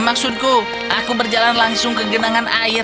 maksudku aku berjalan langsung ke genangan air